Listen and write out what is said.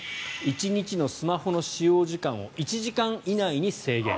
１日のスマホの使用時間を１時間以内に制限。